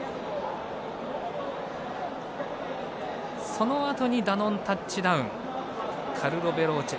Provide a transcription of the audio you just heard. そのあとにダノンタッチダウンカルロヴェローチェ